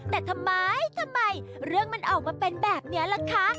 แต่ทำไมทำไมเรื่องมันออกมาเป็นแบบนี้ล่ะคะ